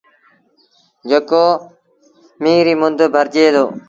جيڪو ميݩهن ريٚ مند ڀرجي دو۔